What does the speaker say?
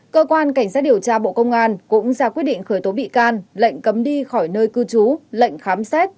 cơ quan cảnh sát điều tra bộ công an cũng ra quyết định khởi tố bị can lệnh cấm đi khỏi nơi cư trú lệnh khám xét